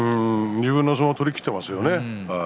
自分の相撲を取りきっています。